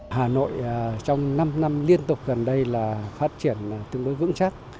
hà nội trong năm năm liên tục gần đây là phát triển tương đối vững chắc